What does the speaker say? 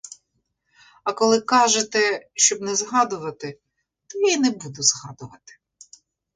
А коли кажете, щоб не згадувати, то я й не буду згадувати.